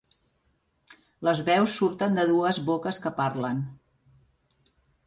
Les veus surten de dues boques que parlen.